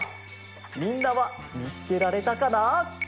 みんなはみつけられたかな？